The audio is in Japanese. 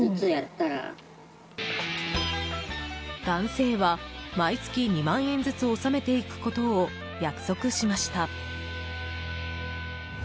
男性は、毎月２万円ずつ納めていくことを約束しました。